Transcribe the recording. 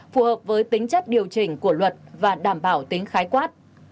phù hợp với tính chất điều chỉnh của luật và đảm bảo tính khái quát